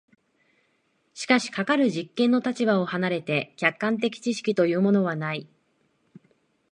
しかしかかる実験の立場を離れて客観的知識というものはない。